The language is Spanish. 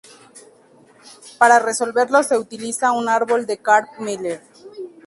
Para resolverlos se utiliza un árbol de Karp-Miller.